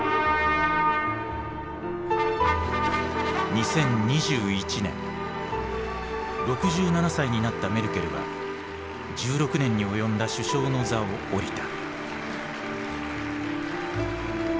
２０２１年６７歳になったメルケルは１６年に及んだ首相の座を降りた。